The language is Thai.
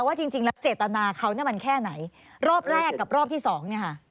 จริงจริงแล้วเจตนาเขาเนี่ยมันแค่ไหนรอบแรกกับรอบที่สองเนี่ยค่ะ